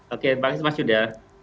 oke terima kasih mas yudha